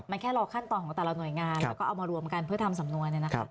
มันแค่รอขั้นตอนของแต่ละหน่วยงานแล้วก็เอามารวมกันเพื่อทำสำนวน